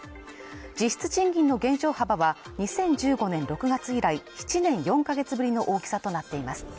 実質賃金の減少幅は２０１５年６月以来７年４カ月ぶりの大きさとなっています